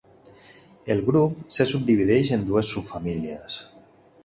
El grup se subdivideix en dues subfamílies.